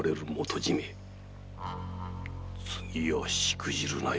次はしくじるなよ。